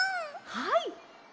はい。